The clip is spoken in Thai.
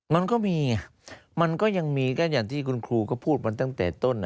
มันก็มีไงมันก็ยังมีก็อย่างที่คุณครูก็พูดมาตั้งแต่ต้น